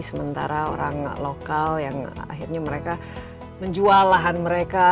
sementara orang lokal yang akhirnya mereka menjual lahan mereka